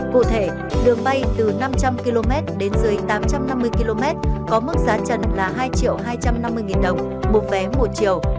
cụ thể đường bay từ năm trăm linh km đến dưới tám trăm năm mươi km có mức giá trần là hai hai trăm năm mươi đồng một vé một chiều